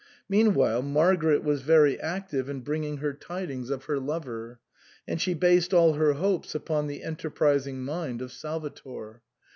Meanwhile Margaret was very active in bring ing her tidings of her lover ; and she based all her hopes upon the enterprising mind of Salvator.